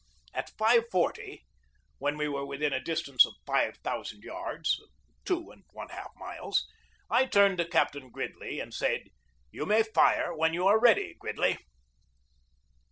At 5.40, when we were within a distance of 5,000 yards (two and one half miles), I turned to Captain Gridley and said: "You may fire when you are ready, Gridley."